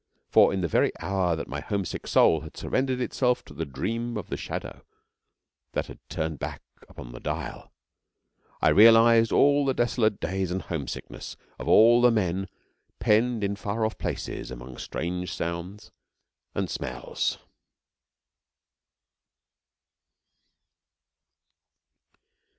For in the very hour that my homesick soul had surrendered itself to the dream of the shadow that had turned back on the dial, I realised all the desolate days and homesickness of all the men penned in far off places among strange sounds and smells.